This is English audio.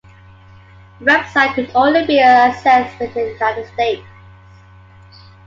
The website could only be accessed within the United States.